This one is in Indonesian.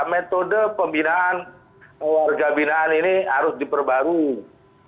metode pembinaan warga binaan ini harus diperbarui